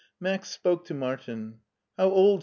Max spoke to Martin. "How old?"